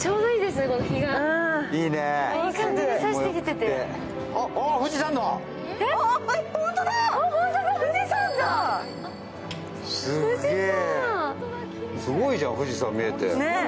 すげー、すごいじゃん、富士山見えて。